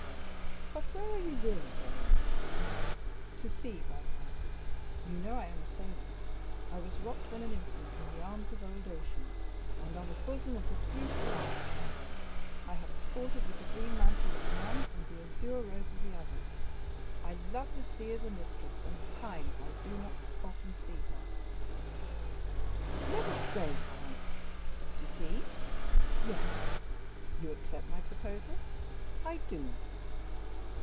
"But where are you really going?" "To sea, viscount; you know I am a sailor. I was rocked when an infant in the arms of old Ocean, and on the bosom of the beautiful Amphitrite; I have sported with the green mantle of the one and the azure robe of the other; I love the sea as a mistress, and pine if I do not often see her." "Let us go, count." "To sea?" "Yes." "You accept my proposal?" "I do."